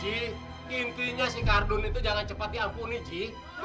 ji intinya si kardun itu jangan cepat diampuni ji